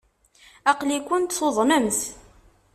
Aql-ikent tuḍnemt!